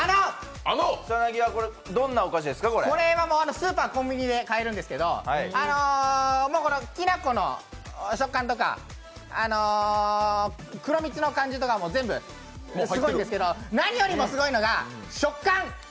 これはスーパー・コンビニで買えるんですけどきなこの食感とか、黒蜜の感じとかも全部すごいんですけど何よりもすごいのが食感。